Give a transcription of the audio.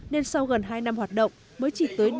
nên sau gần hai năm hoạt động mới chỉ thi công kênh chính